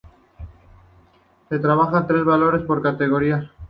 Se trabajan tres valores por categoría.